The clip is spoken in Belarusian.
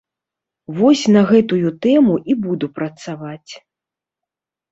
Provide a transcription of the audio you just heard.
Вось на гэтую тэму і буду працаваць.